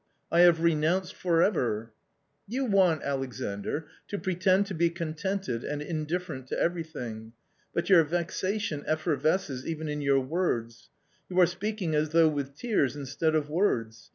I have renounced for ever " "You want, Alexandr, to pretend to be contented and indifferent to everything, but your vexation effervesces even in your words; you are speaking as though with tears instead of words.